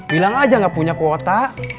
bilang aja gak punya kuota